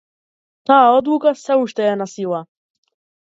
Таа одлука сѐ уште е на сила.